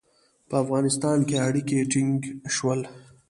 په افغانستان کې اړیکي ټینګ شول.